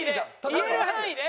言える範囲で。